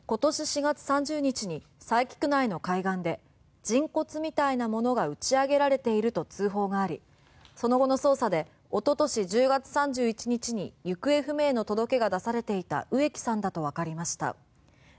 今年４月３０日に佐伯区内の海岸で人骨みたいなものが打ち上げられていると通報がありその後の捜査で一昨年１０月３１日に行方不明の届けが出されていた植木さんだとわかりました。